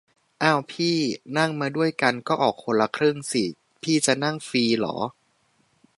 อ้าวพี่ นั่งมาด้วยกันก็ออกคนละครึ่งสิ พี่จะนั่งฟรีหรอ ?